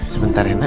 sebentar ya nak